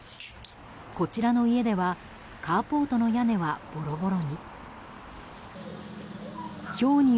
こちらの家ではカーポートの屋根はぼろぼろに。